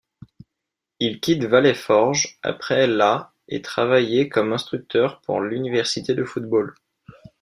Il quitte Valley Forge après la et travaillé comme instructeur pour l'Université de Football.